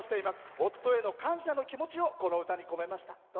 夫への感謝の気持ちをこの歌に込めました。